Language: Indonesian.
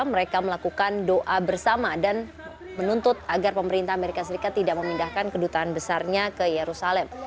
mereka melakukan doa bersama dan menuntut agar pemerintah amerika serikat tidak memindahkan kedutaan besarnya ke yerusalem